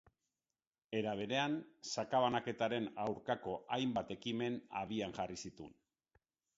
Era berean, sakabanaketaren aurkako hainbat ekimen abian jarri zituen.